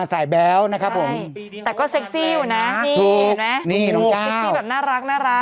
สายแบ๊วนะครับผมใช่แต่ก็เซ็กซี่อยู่น่ะนี่เห็นไหมนี่น้องก้าว